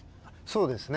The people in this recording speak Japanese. そうですね。